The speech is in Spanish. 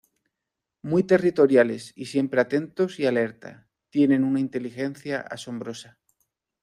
Muy territoriales y siempre atentos y alerta, tienen una inteligencia asombrosa.